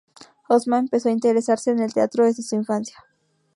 Osma empezó a interesarse en el teatro desde su infancia.